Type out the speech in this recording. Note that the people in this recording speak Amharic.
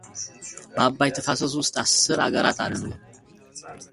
በአባይ ተፋሰስ ውስጥ አስር አገራት አሉ።